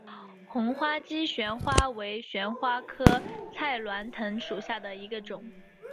红花姬旋花为旋花科菜栾藤属下的一个种。